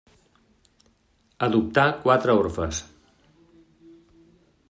Adoptà quatre orfes.